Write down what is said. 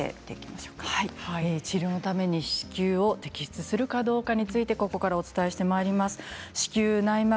その子宮の摘出について子宮摘出するかどうかについてここからお伝えしていきます。